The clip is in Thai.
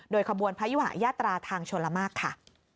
โดยขบวนพระยุหะญาตราทางชลมากค่ะ